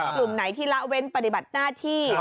กลุ่มไหนที่ละเว้นปฏิบัติหน้าที่